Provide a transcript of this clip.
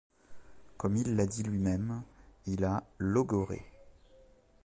Comme il l’a dit lui-même, il a « logorrhé ».